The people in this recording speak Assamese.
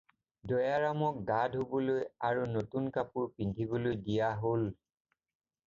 দয়াৰামক গা ধুবলৈ আৰু নতুন কাপোৰ পিন্ধিবলৈ দিয়া হ'ল।